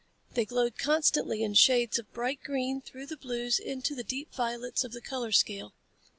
They glowed constantly in shades of bright green through the blues into the deep violets of the color scale.